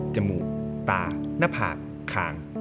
จมูกตาหน้าผากคาง